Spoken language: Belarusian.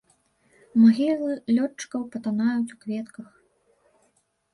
Магілы лётчыкаў патанаюць у кветках.